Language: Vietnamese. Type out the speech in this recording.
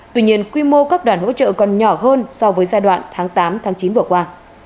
tuy nhiên quy mô các đoàn hỗ trợ còn nhỏ hơn so với giai đoạn tháng tám tháng chín vừa qua